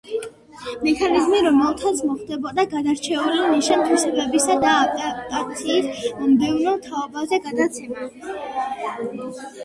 მექანიზმი რომლითაც მოხდებოდა გადარჩეული ნიშან-თვისებების და ადაპტაციების მომდევნო თაობებზე გადაცემა.